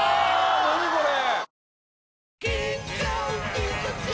何これ。